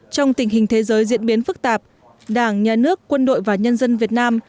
trong tình hình thế giới diễn biến phức tạp đảng nhà nước quân đội và nhân dân việt nam